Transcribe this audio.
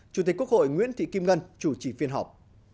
chủ tịch quốc hội nguyễn thị kim ngân chủ trì phiên họp